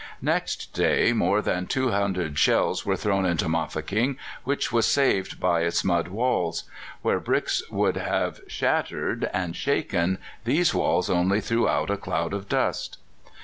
Next day more than 200 shells were thrown into Mafeking, which was saved by its mud walls; where bricks would have been shattered and shaken, these walls only threw out a cloud of dust.